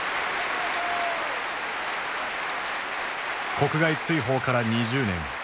国外追放から２０年。